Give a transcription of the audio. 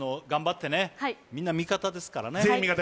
頑張ってね、みんな味方ですからね。